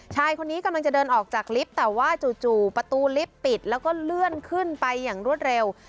ชายคนนี้กำลังจะเดินออกจากลิฟต์แต่ว่าจู่ประตูลิฟต์ปิดแล้วก็เลื่อนขึ้นไปอย่างรวดเร็ว